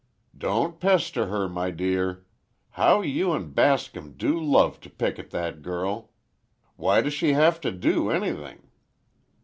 "Don't pester her, my dear. How you and Bascom do love to pick at that girl! Why does she have to do anything?"